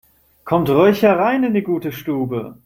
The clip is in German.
Kommt ruhig herein in die gute Stube!